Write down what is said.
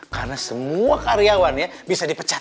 karena semua karyawannya bisa dipecat